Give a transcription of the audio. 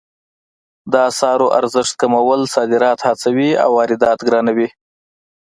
د اسعارو ارزښت کمول صادرات هڅوي او واردات ګرانوي